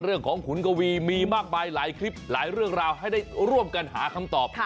ขุนกวีมีมากมายหลายคลิปหลายเรื่องราวให้ได้ร่วมกันหาคำตอบ